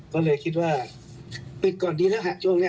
ก็เลยคิดว่าปิดก่อนดีแล้วฮะช่วงนี้